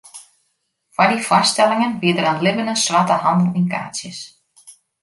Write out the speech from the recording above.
Foar dy foarstellingen wie der in libbene swarte handel yn kaartsjes.